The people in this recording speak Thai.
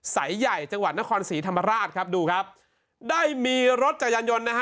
สายใหญ่จังหวัดนครศรีธรรมราชครับดูครับได้มีรถจักรยานยนต์นะฮะ